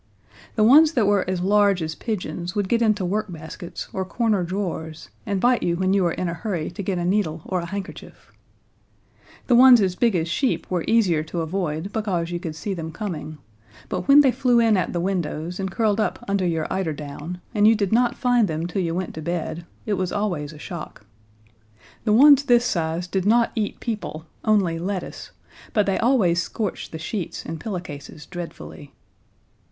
The ones that were as large as pigeons would get into workbaskets or corner drawers and bite you when you were in a hurry to get a needle or a handkerchief. The ones as big as sheep were easier to avoid, because you could see them coming; but when they flew in at the windows and curled up under your eiderdown, and you did not find them till you went to bed, it was always a shock. The ones this size did not eat people, only lettuce, but they always scorched the sheets and pillowcases dreadfully.